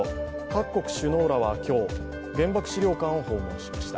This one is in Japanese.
各国首脳らは今日、原爆資料館を訪問しました。